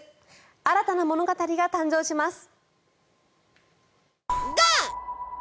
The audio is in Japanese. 新たな物語が誕生します。